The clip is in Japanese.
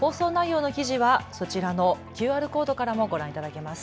放送内容の記事はこちらのＱＲコードからもご覧いただけます。